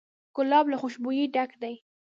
ګلاب له خوشبویۍ ډک دی.